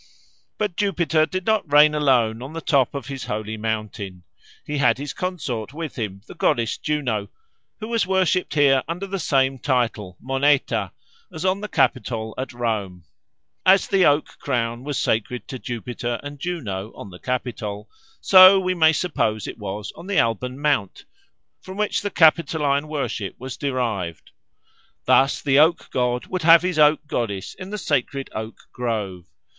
But Jupiter did not reign alone on the top of his holy mountain. He had his consort with him, the goddess Juno, who was worshipped here under the same title, Moneta, as on the Capitol at Rome. As the oak crown was sacred to Jupiter and Juno on the Capitol, so we may suppose it was on the Alban Mount, from which the Capitoline worship was derived. Thus the oak god would have his oak goddess in the sacred oak grove.